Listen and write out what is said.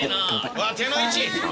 うわっ手の位置！